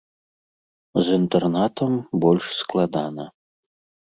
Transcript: З інтэрнатам больш складана.